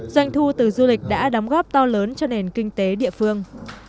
doanh thu từ du lịch đã đóng góp to lớn cho nền kinh tế địa phương